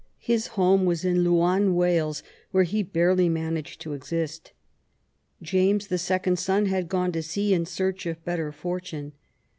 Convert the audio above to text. Hi& home was in Laugharne^ Wales, where he barely managed to exist. James, the second son, had gone to sea in search of better fortune.